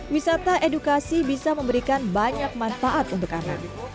wisata edukasi bisa memberikan banyak manfaat untuk anak